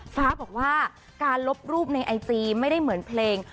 ฟ้าบอกว่าการลบรูปในไอจีไม่ได้เหมือนเพลง